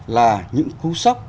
là những cú sốc